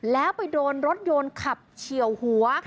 แล้วไปโดนรถยนต์ขับเฉียวหัว